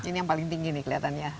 ini yang paling tinggi nih kelihatannya